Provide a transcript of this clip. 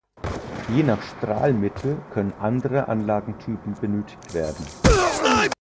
Je nach Strahlmittel können andere Anlagentypen benötigt werden.